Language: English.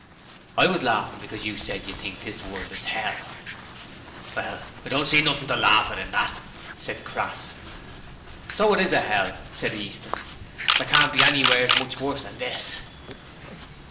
'I was laughing because you said you think this world is hell.' 'Well, I don't see nothing to laugh at in that,' said Crass. 'So it IS a 'ell,' said Easton. 'There can't be anywheres much worse than this.'